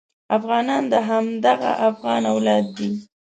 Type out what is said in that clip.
افغانان د همدغه افغان اولاد دي.